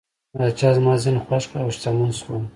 پاچا زما زین خوښ کړ او شتمن شوم.